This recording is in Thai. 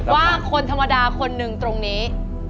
ว่าคนธรรมดาคนหนึ่งตรงนี้